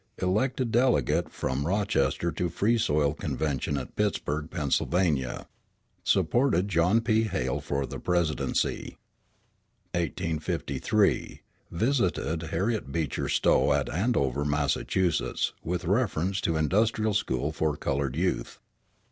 Elected delegate from Rochester to Free Soil convention at Pittsburg, Pennsylvania. Supported John P. Hale for the Presidency. 1853 Visited Harriet Beecher Stowe at Andover, Massachusetts, with reference to industrial school for colored youth.